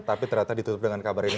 tapi ternyata ditutup dengan kabar ini